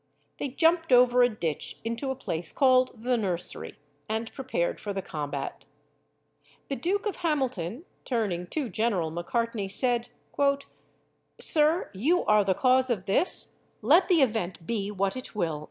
They jumped over a ditch into a place called the Nursery, and prepared for the combat. The Duke of Hamilton, turning to General Macartney, said, "_Sir, you are the cause of this, let the event be what it will.